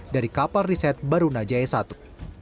dari kapal riset baruna jaya i